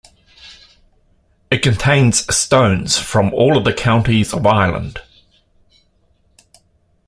It contains stones from all of the counties of Ireland.